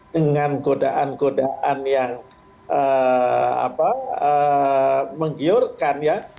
dengan godaan godaan yang menggiurkan ya